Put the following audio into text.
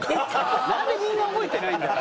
なんでみんな覚えてないんだよ。